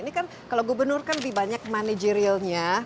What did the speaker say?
ini kan kalau gubernur kan lebih banyak manajerialnya